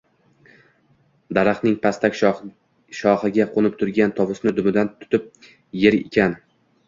daraxtning pastak shoxiga qo’nib turgan tovusni dumidan tutib yer ekan.